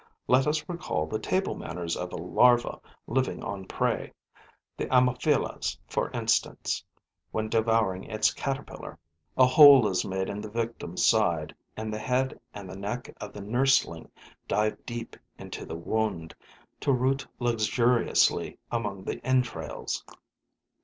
Let us recall the table manners of a larva living on prey, the Ammophila's for instance, when devouring its caterpillar. A hole is made in the victim's side; and the head and neck of the nursling dive deep into the wound, to root luxuriously among the entrails.